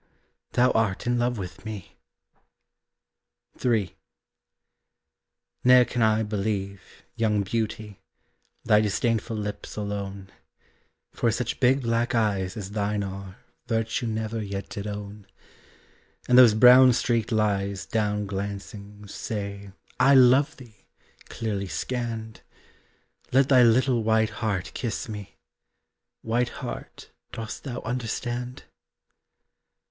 thou art in love with me. III. Ne'er can I believe, young beauty, Thy disdainful lips alone: For such big black eyes as thine are Virtue never yet did own. And those brown streaked lies down glancing Say "I love thee!" clearly scanned, Let thy little white heart kiss me White heart, dost thou understand?